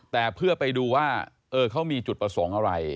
แต่เพื่อไปดูว่าเขามีจุดประสงค์อะไร